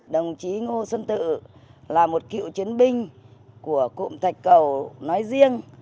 đồng chí ngô xuân tự là một cựu chiến binh của cụm thạch cầu nói riêng